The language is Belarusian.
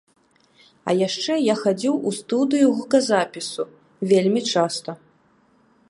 А яшчэ я хадзіў у студыю гуказапісу, вельмі часта.